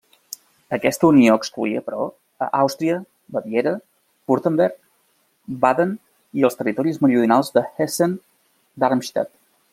Aquesta unió excloïa però, a Àustria, Baviera, Württemberg, Baden i els territoris meridionals de Hessen-Darmstadt.